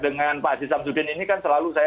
dengan pak haji sabzudin ini kan selalu saya